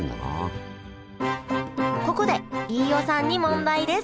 ここで飯尾さんに問題です！